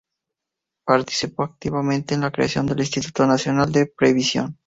Participó activamente en la creación del Instituto Nacional de Previsión.